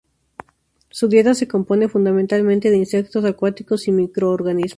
Su dieta se compone fundamentalmente de insectos acuáticos y microorganismos.